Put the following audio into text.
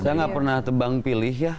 saya nggak pernah tebang pilih ya